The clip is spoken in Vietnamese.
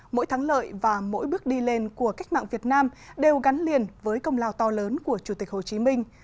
mỗi thắng lợi và mỗi bước đi lên của cách mạng việt nam đều gắn liền với công lao to lớn của chủ tịch hồ chí minh